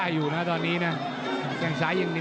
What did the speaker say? มันต้องอย่างงี้มันต้องอย่างงี้